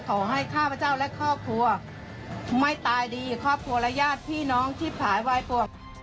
ข้าพเจ้าและครอบครัวไม่ตายดีครอบครัวและญาติพี่น้องที่ผายวายปวด